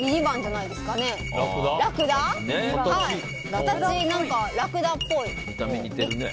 形、ラクダっぽい。